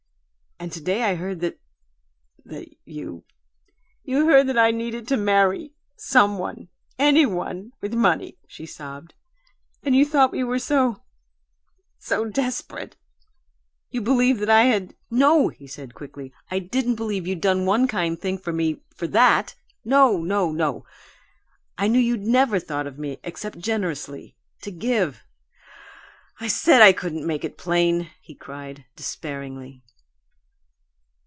And to day I heard that that you " "You heard that I needed to marry some one anybody with money," she sobbed. "And you thought we were so so desperate you believed that I had " "No!" he said, quickly. "I didn't believe you'd done one kind thing for me for that. No, no, no! I knew you'd NEVER thought of me except generously to give. I said I couldn't make it plain!" he cried, despairingly.